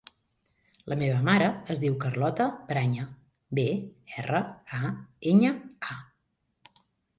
La meva mare es diu Carlota Braña: be, erra, a, enya, a.